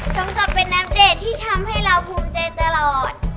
สำกัดเป็นอัปเดตที่ทำให้เราภูมิเจนตลอด